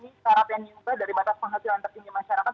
ini syarat yang diubah dari batas penghasilan tertinggi masyarakat